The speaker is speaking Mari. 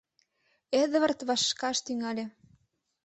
— Эдвард вашкаш тӱҥале.